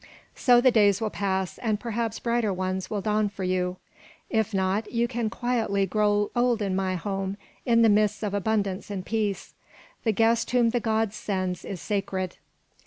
So the days will pass, and perhaps brighter ones will dawn for you. If not, you can quietly grow old in my home in the midst of abundance and peace. The guest whom the gods send is sacred."